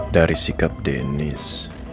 dari sikap denis